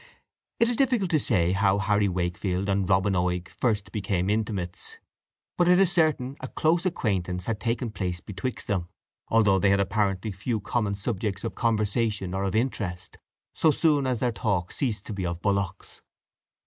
It is difficult to say how Harry Wakefield and Robin Oig first became intimates; but it is certain a close acquaintance had taken place betwixt them, although they had apparently few common subjects of conversation or of interest, so soon as their talk ceased to be of bullocks.